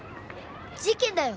事件だよ！